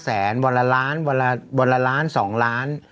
แสนวันละล้านวันละล้าน๒ล้าน